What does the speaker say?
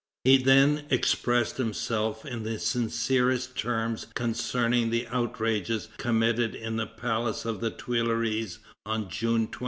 He then expressed himself in the sincerest terms concerning the outrages committed in the palace of the Tuileries on June 20.